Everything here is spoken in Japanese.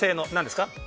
何ですか。